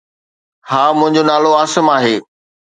ها، منهنجو نالو عاصم آهي